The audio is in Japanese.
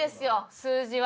数字は。